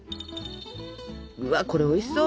うわっこれおいしそう！